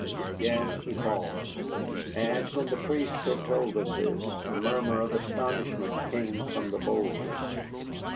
Again he paused, and when the priest had told them this, a murmur of astonishment came from the boldest.